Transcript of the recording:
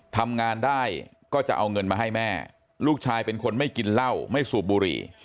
ทำงานได้ก็จะเอาเงินมาให้แม่ลูกชายเป็นคนไม่กินเหล้าไม่สูบบุหรี่